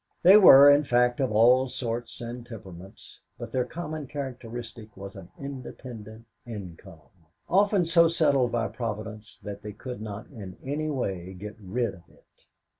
They were, in fact, of all sorts and temperaments, but their common characteristic was an independent income, often so settled by Providence that they could not in any way get rid of it.